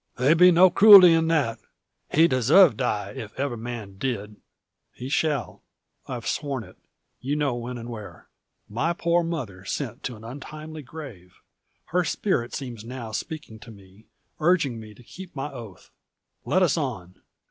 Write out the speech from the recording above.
"There'd be no cruelty in that. He deserve die, if ever man did." "He shall. I've sworn it you know when and where. My poor mother sent to an untimely grave! Her spirit seems now speaking to me urging me to keep my oath. Let us on!"